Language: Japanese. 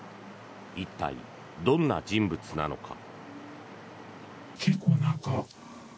一体、どんな人物なのか。